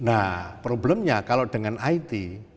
nah problemnya kalau dengan it